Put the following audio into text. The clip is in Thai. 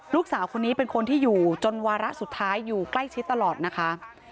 ลูกสาวคนนี้เป็นคนที่อยู่จนวาระสุดท้ายอยู่ใกล้ชิดตลอดนะคะ